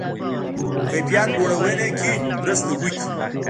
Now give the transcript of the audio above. کیفیت لوړونه کې مرسته وکړي.